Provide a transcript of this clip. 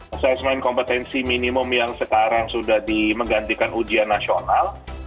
asesmen kompetensi minimum yang sekarang sudah dimenggantikan ujian nasional